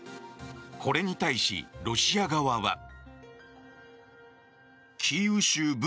これに対し、ロシア側は。